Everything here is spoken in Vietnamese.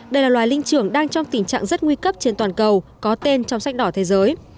đây là loài linh trưởng đang trong tình trạng rất nguy cấp trên toàn cầu có tên trong sách đỏ thế giới